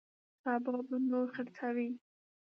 سبا به نور خرڅوي.